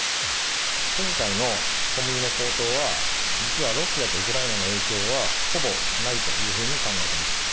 今回の小麦の高騰は、実はロシアとウクライナの影響はほぼないというふうに考えてます。